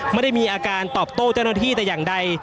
ไม่ได้มีอาการตอบโต้เจ้าหน้าที่แต่อย่างใด